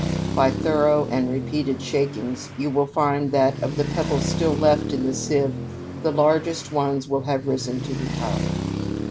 By thorough and repeated shakings you will find that, of the pebbles still left in the sieve, the largest ones will have risen to the top.